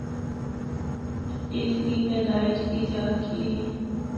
اس دی پیدائش دی جا کِڑی ہے۔